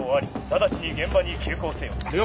直ちに現場に急行せよ。